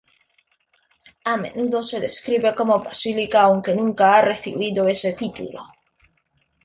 A menudo se describe como basílica aunque nunca ha recibido ese título.